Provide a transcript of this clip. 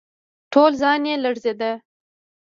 ټول ځان يې لړزېده.